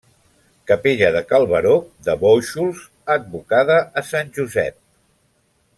Capella de Cal Baró, de Bóixols, advocada a sant Josep.